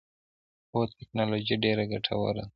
هو، تکنالوجی ډیره ګټوره ده